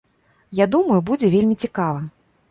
Я думаю, будзе вельмі цікава.